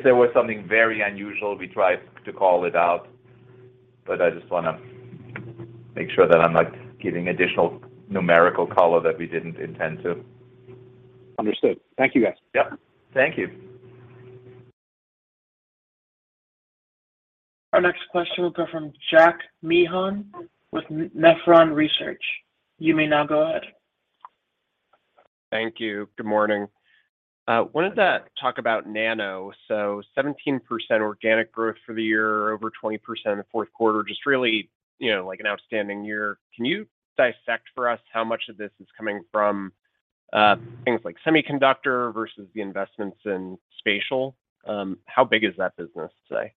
there was something very unusual, we try to call it out, but I just wanna make sure that I'm not giving additional numerical color that we didn't intend to. Understood. Thank you, guys. Yep. Thank you. Our next question will come from Jack Meehan with Nephron Research. You may now go ahead. Thank you. Good morning. wanted to talk about Nano. 17% organic growth for the year, over 20% in the fourth quarter. Just really, you know, like an outstanding year. Can you dissect for us how much of this is coming from things like semiconductor versus the investments in spatial? How big is that business today?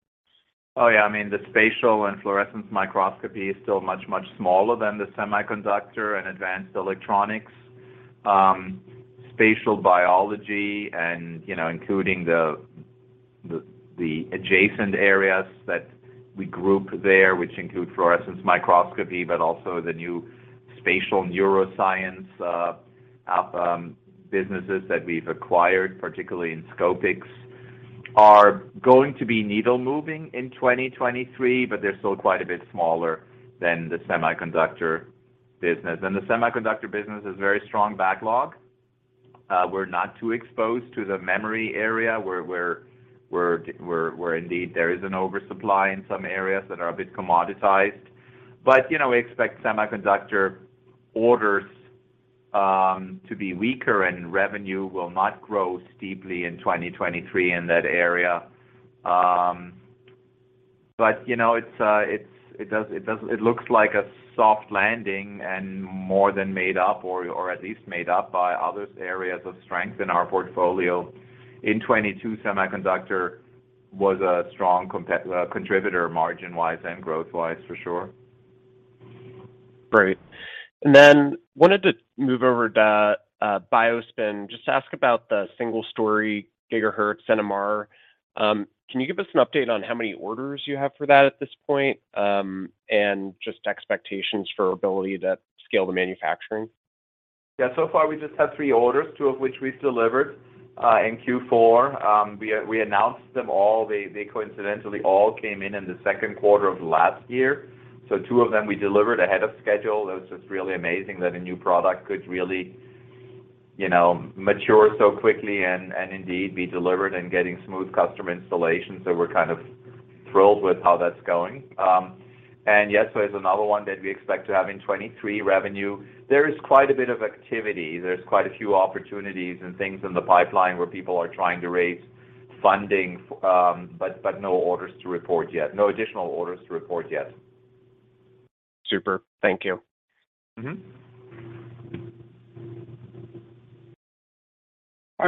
Yeah. I mean, the spatial and fluorescence microscopy is still much, much smaller than the semiconductor and advanced electronics. Spatial biology and, you know, including the, the adjacent areas that we group there, which include fluorescence microscopy, but also the new spatial neuroscience businesses that we've acquired, particularly Inscopix, are going to be needle moving in 2023, but they're still quite a bit smaller than the semiconductor business. The semiconductor business is very strong backlog. We're not too exposed to the memory area where indeed there is an oversupply in some areas that are a bit commoditized. You know, we expect semiconductor orders to be weaker and revenue will not grow steeply in 2023 in that area. You know, it's, it looks like a soft landing and more than made up or at least made up by other areas of strength in our portfolio. In 2022, semiconductor was a strong contributor margin-wise and growth-wise for sure. Great. Then wanted to move over to BioSpin, just to ask about the single-story gigahertz NMR. Can you give us an update on how many orders you have for that at this point, and just expectations for ability to scale the manufacturing? So far, we just have three orders, two of which we've delivered in Q4. We announced them all. They coincidentally all came in in the 2nd quarter of last year. Two of them we delivered ahead of schedule. It was just really amazing that a new product could really, you know, mature so quickly and, indeed be delivered and getting smooth customer installation. We're kind of thrilled with how that's going. Yes, it's another one that we expect to have in 2023 revenue. There is quite a bit of activity. There is quite a few opportunities and things in the pipeline where people are trying to raise funding, but no orders to report yet. No additional orders to report yet. Super. Thank you. Mm-hmm. Our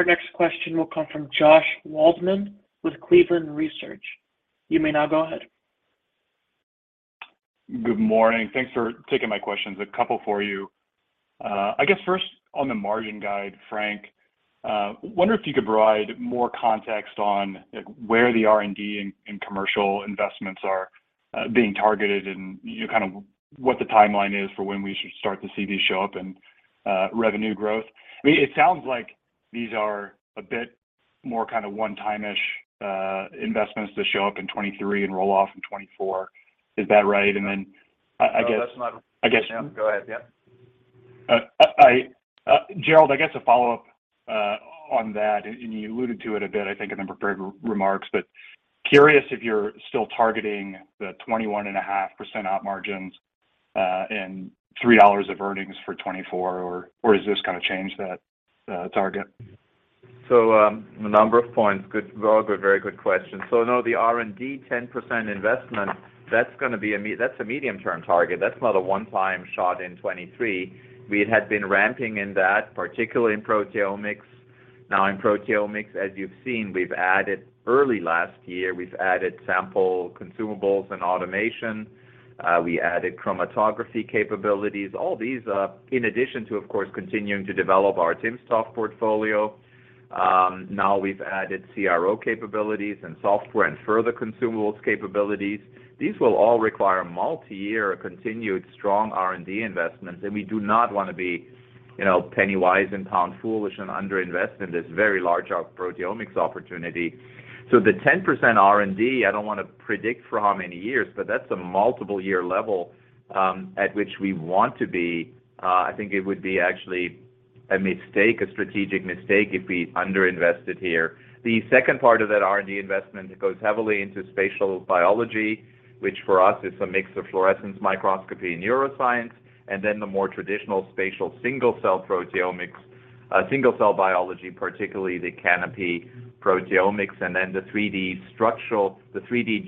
next question will come from Josh Waldman with Cleveland Research. You may now go ahead. Good morning. Thanks for taking my questions. A couple for you. I guess first on the margin guide, Frank, wonder if you could provide more context on where the R&D and commercial investments are being targeted and, you know, kind of what the timeline is for when we should start to see these show up in revenue growth? I mean, it sounds like these are a bit more kind of one-time-ish investments to show up in 2023 and roll off in 2024. Is that right? I guess. No, that's not- I guess- No, go ahead. Yeah. I, Gerald, I guess a follow-up on that, and you alluded to it a bit, I think, in the prepared remarks, but curious if you're still targeting the 21.5% op margins and $3 of earnings for 2024 or has this kind of changed that target? A number of points. Good, well, good, very good question. No, the R&D 10% investment, that's gonna be that's a medium-term target. That's not a one-time shot in 2023. We had been ramping in that, particularly in proteomics. In proteomics, as you've seen, we've added early last year, we've added sample consumables and automation. We added chromatography capabilities. All these, in addition to, of course, continuing to develop our timsTOF portfolio. We've added CRO capabilities and software and further consumables capabilities. These will all require multi-year continued strong R&D investments, and we do not want to be, you know, penny wise and pound foolish and underinvest in this very large proteomics opportunity. The 10% R&D, I don't want to predict for how many years, but that's a multiple year level, at which we want to be. I think it would be actually a mistake, a strategic mistake if we underinvested here. The second part of that R&D investment goes heavily into spatial biology, which for us is a mix of fluorescence microscopy and neuroscience, and then the more traditional spatial single-cell proteomics, single-cell biology, particularly the epiproteomics, and then the 3D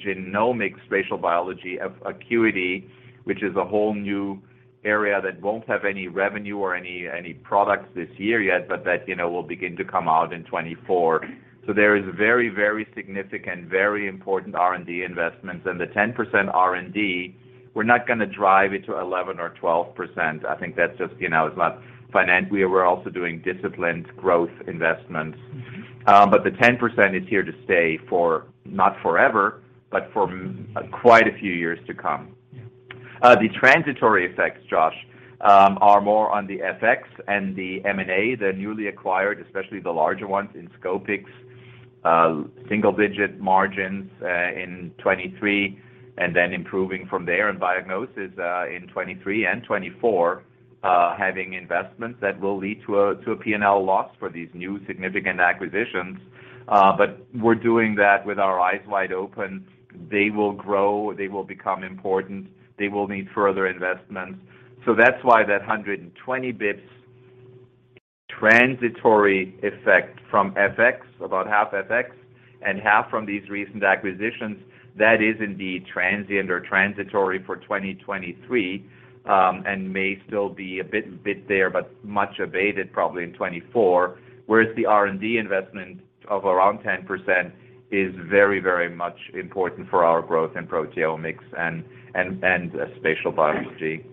genomic spatial biology Acuity, which is a whole new area that won't have any revenue or any products this year yet, but that, you know, will begin to come out in 2024. There is very, very significant, very important R&D investments. The 10% R&D, we're not gonna drive it to 11% or 12%. I think that's just, you know, it's not. We're also doing disciplined growth investments. But the 10% is here to stay for, not forever, but for quite a few years to come. The transitory effects, Josh, are more on the FX and the M&A, the newly acquired, especially the larger ones Inscopix, single digit margins in 2023, and then improving from there. Biognosys, in 2023 and 2024, having investments that will lead to a P&L loss for these new significant acquisitions. But we're doing that with our eyes wide open. They will grow, they will become important, they will need further investments. That's why that 120 basis points transitory effect from FX, about half FX, and half from these recent acquisitions, that is indeed transient or transitory for 2023, and may still be a bit there, but much abated probably in 2024. The R&D investment of around 10% is very much important for our growth in proteomics and spatial biology.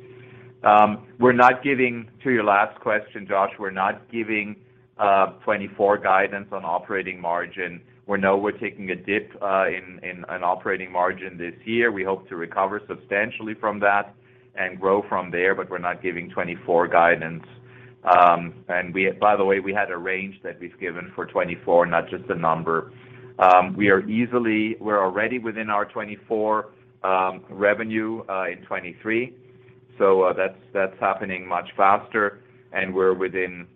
To your last question, Josh, we're not giving 2024 guidance on operating margin. We know we're taking a dip in an operating margin this year. We hope to recover substantially from that and grow from there. We're not giving 2024 guidance. By the way, we had a range that we've given for 2024, not just a number. We're already within our 2024 revenue in 2023, that's happening much faster. We're within...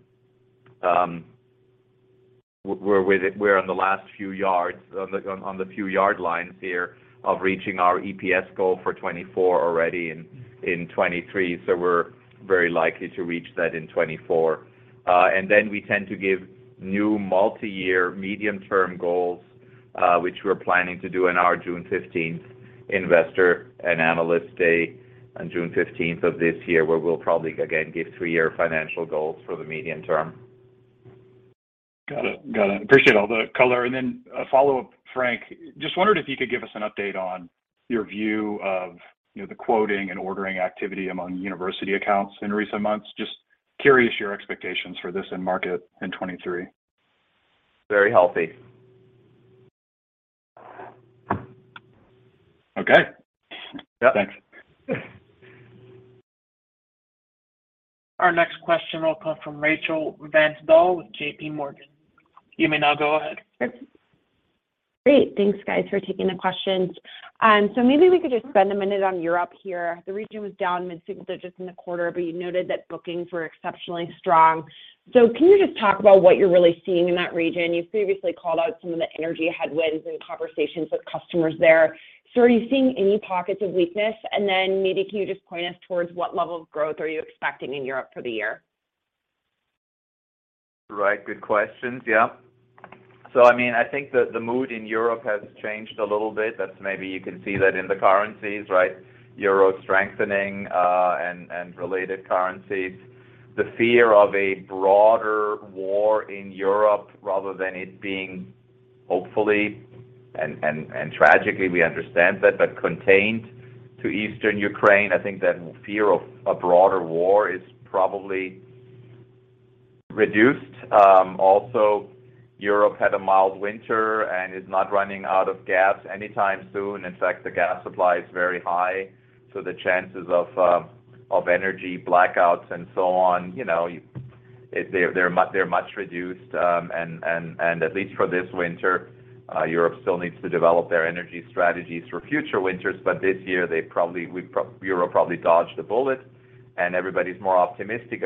We're on the last few yards on the few yard lines here of reaching our EPS goal for 2024 already in 2023, so we're very likely to reach that in 2024. We tend to give new multi-year medium-term goals, which we're planning to do in our June 15th investor and analyst day on June 15th of this year, where we'll probably again give three-year financial goals for the medium term. Got it. Got it. Appreciate all the color. A follow-up, Frank. Just wondered if you could give us an update on your view of, you know, the quoting and ordering activity among university accounts in recent months. Just curious your expectations for this in market in 2023. Very healthy. Okay. Yeah. Thanks. Our next question will come from Rachel Vatnsdal with JPMorgan. You may now go ahead. Great. Thanks, guys, for taking the questions. Maybe we could just spend a minute on Europe here. The region was down mid-single digit in the quarter, but you noted that bookings were exceptionally strong. Can you just talk about what you're really seeing in that region? You've previously called out some of the energy headwinds and conversations with customers there. Are you seeing any pockets of weakness? Then maybe can you just point us towards what level of growth are you expecting in Europe for the year? Right. Good questions. Yeah. I mean, I think the mood in Europe has changed a little bit. That's maybe you can see that in the currencies, right? Euro strengthening, and related currencies. The fear of a broader war in Europe rather than it being, hopefully and tragically, we understand that, but contained to eastern Ukraine. I think that fear of a broader war is probably reduced. Also, Europe had a mild winter and is not running out of gas anytime soon. In fact, the gas supply is very high, so the chances of energy blackouts and so on, you know, they're much reduced. And at least for this winter, Europe still needs to develop their energy strategies for future winters. This year Europe probably dodged a bullet and everybody's more optimistic.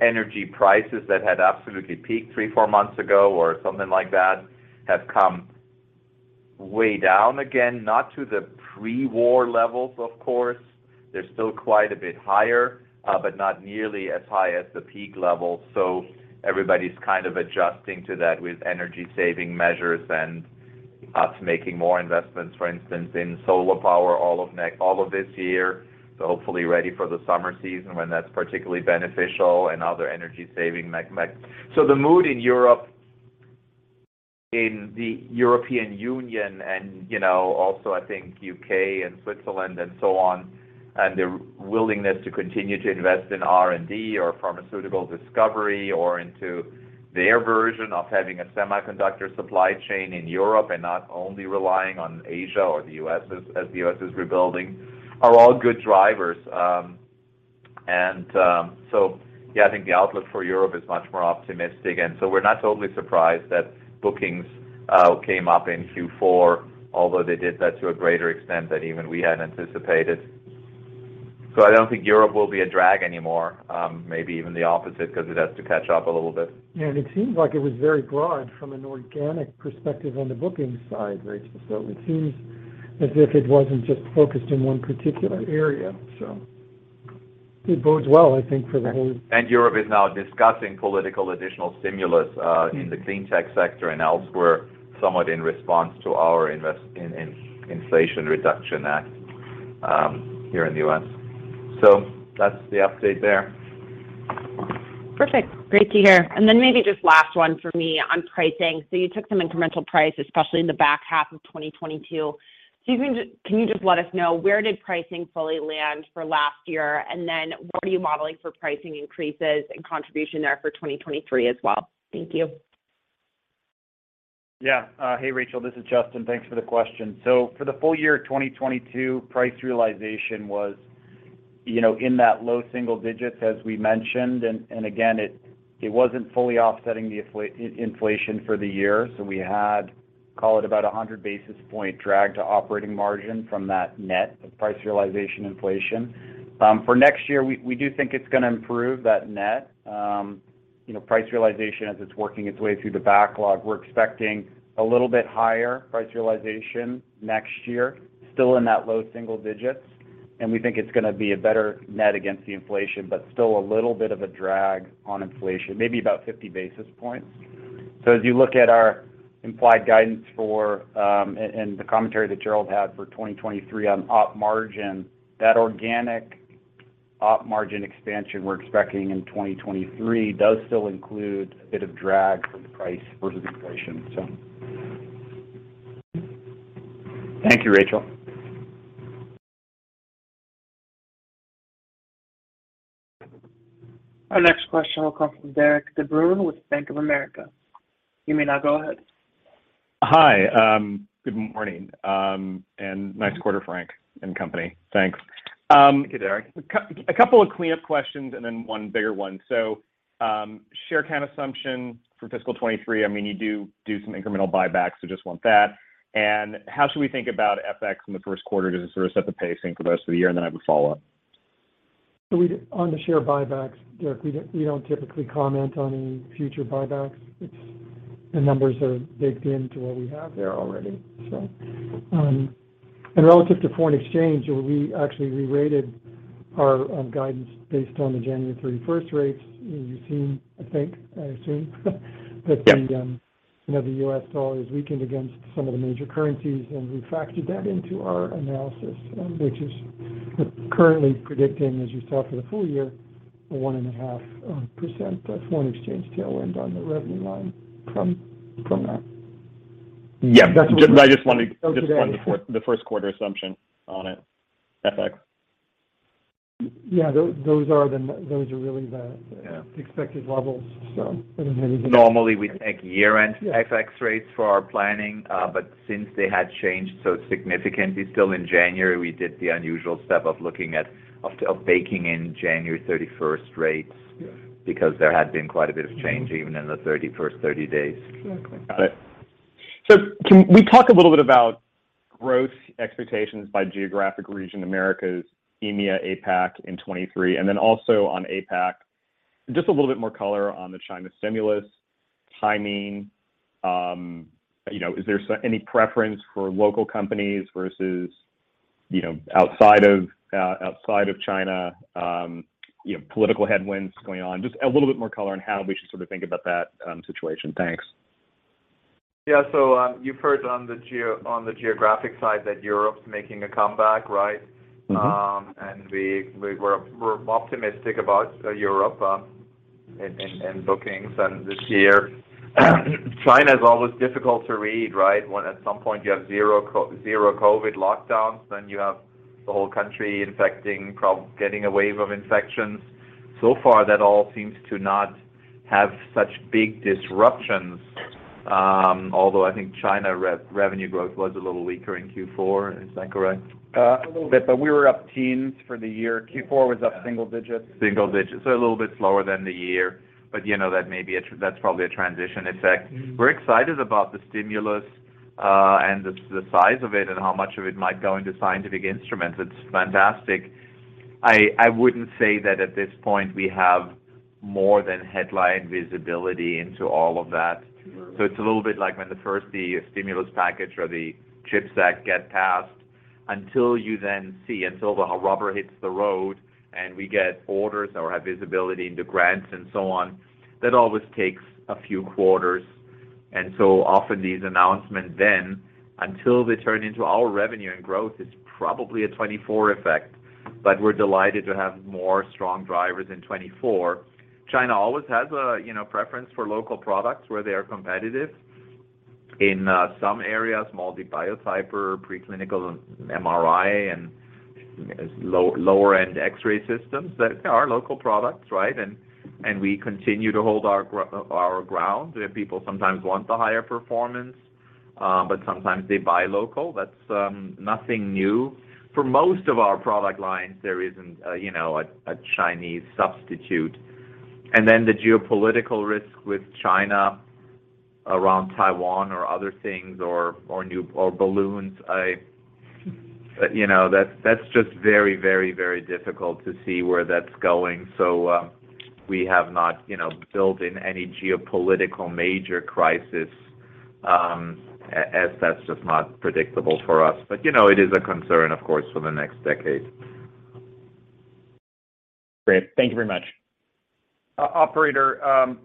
Energy prices that had absolutely peaked three, four months ago or something like that, have come way down again. Not to the pre-war levels, of course. They're still quite a bit higher, but not nearly as high as the peak level. Everybody's kind of adjusting to that with energy saving measures and us making more investments, for instance, in solar power all of this year. Hopefully ready for the summer season when that's particularly beneficial and other energy saving. The mood in the European Union and, you know, also I think U.K. and Switzerland and so on, and their willingness to continue to invest in R&D or pharmaceutical discovery or into their version of having a semiconductor supply chain in Europe and not only relying on Asia or the U.S. as the U.S. is rebuilding, are all good drivers. Yeah, I think the outlook for Europe is much more optimistic. We're not totally surprised that bookings came up in Q4, although they did that to a greater extent than even we had anticipated. I don't think Europe will be a drag anymore, maybe even the opposite 'cause it has to catch up a little bit. It seems like it was very broad from an organic perspective on the booking side, Rachel. It seems as if it wasn't just focused in one particular area. It bodes well, I think, for the whole. Europe is now discussing political additional stimulus in the clean tech sector and elsewhere, somewhat in response to our Inflation Reduction Act here in the U.S. That's the update there. Perfect. Great to hear. Maybe just last one for me on pricing. You took some incremental price, especially in the back half of 2022. Can you just let us know where did pricing fully land for last year? What are you modeling for pricing increases and contribution there for 2023 as well? Thank you. Yeah. Hey Rachel, this is Justin. Thanks for the question. For the full year of 2022, price realization was, you know, in that low single digits, as we mentioned. Again, it wasn't fully offsetting the inflation for the year. We had, call it about 100 basis points drag to operating margin from that net of price realization inflation. For next year, we do think it's gonna improve that net, you know, price realization as it's working its way through the backlog. We're expecting a little bit higher price realization next year, still in that low single digits, and we think it's gonna be a better net against the inflation, but still a little bit of a drag on inflation, maybe about 50 basis points. As you look at our implied guidance for, and the commentary that Gerald had for 2023 on op margin, that organic op margin expansion we're expecting in 2023 does still include a bit of drag from the price versus inflation. Thank you, Rachel. Our next question will come from Derik De Bruin with Bank of America. You may now go ahead. Hi. good morning, and nice quarter, Frank and company. Thanks. Thank you, Derik. A couple of cleanup questions and then one bigger one. Share count assumption for fiscal 2023, I mean, you do some incremental buybacks, so just want that. How should we think about FX in the first quarter? Does it sort of set the pacing for the rest of the year? Then I have a follow-up. On the share buybacks, Derik, we don't typically comment on any future buybacks. The numbers are baked into what we have there already. Relative to foreign exchange, where we actually rerated our guidance based on the January 31st rates, you've seen, I think. Yeah You know, the U.S. dollar is weakened against some of the major currencies, and we factored that into our analysis, which is currently predicting, as you saw for the full year, a 1.5% foreign exchange tailwind on the revenue line from that. Yeah. That's what we- I just wanted- So today- Just wanted the first quarter assumption on it, FX. Yeah. Those are really the. Yeah... expected levels. I don't have anything. Normally, we take year-end. Yeah FX rates for our planning. Since they had changed so significantly still in January, we did the unusual step of looking at of baking in January 31st rates. Yeah Because there had been quite a bit of change even in the first 30 days. Exactly. Got it. Can we talk a little bit about growth expectations by geographic region, Americas, EMEA, APAC in 2023, and then also on APAC, just a little bit more color on the China stimulus timing. You know, is there any preference for local companies versus, you know, outside of, outside of China, you know, political headwinds going on? Just a little bit more color on how we should sort of think about that situation. Thanks. Yeah. You've heard on the geographic side that Europe's making a comeback, right? Mm-hmm. We're optimistic about Europe in bookings and this year. China's always difficult to read, right? When at some point you have zero COVID lockdowns, then you have the whole country getting a wave of infections. So far, that all seems to not have such big disruptions. Although I think China re-revenue growth was a little weaker in Q4. Is that correct? A little bit, but we were up teens for the year. Q4 was up single digits. Single digits. A little bit slower than the year, you know, that's probably a transition effect. Mm-hmm. We're excited about the stimulus, and the size of it and how much of it might go into scientific instruments. It's fantastic. I wouldn't say that at this point we have more than headline visibility into all of that. Sure. It's a little bit like when the first, the stimulus package or the CHIPS Act get passed. Until you then see, until the rubber hits the road and we get orders or have visibility into grants and so on, that always takes a few quarters. Often these announcements then, until they turn into our revenue and growth, is probably a 2024 effect. We're delighted to have more strong drivers in 2024. China always has a, you know, preference for local products where they are competitive. In some areas, MALDI Biotyper, preclinical and MRI, and low, lower-end X-ray systems that are local products, right? We continue to hold our ground. People sometimes want the higher performance, but sometimes they buy local. That's nothing new. For most of our product lines, there isn't, you know, a Chinese substitute. The geopolitical risk with China around Taiwan or other things or balloons. You know, that's just very, very, very difficult to see where that's going. We have not, you know, built in any geopolitical major crisis, as that's just not predictable for us. You know, it is a concern, of course, for the next decade. Great. Thank you very much. Operator,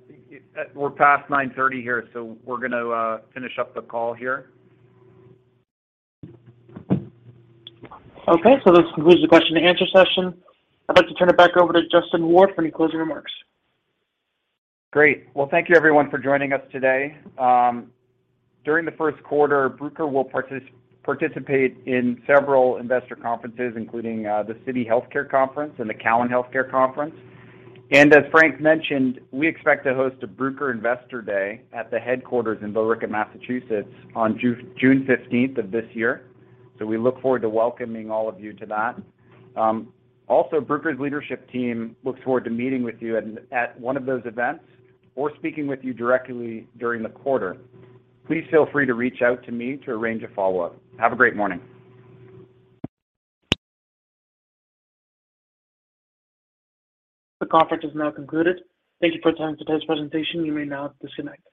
we're past 9:30 AM here, so we're gonna finish up the call here. Okay. This concludes the question and answer session. I'd like to turn it back over to Justin Ward for any closing remarks. Great. Well, thank you everyone for joining us today. During the first quarter, Bruker will participate in several investor conferences, including the Citi Health Care Conference and the Cowen Health Care Conference. As Frank mentioned, we expect to host a Bruker Investor Day at the headquarters in Billerica, Massachusetts, on June 15th of this year. We look forward to welcoming all of you to that. Bruker's leadership team looks forward to meeting with you at one of those events or speaking with you directly during the quarter. Please feel free to reach out to me to arrange a follow-up. Have a great morning. The conference is now concluded. Thank Sand you for attending today's presentation. You may now disconnect.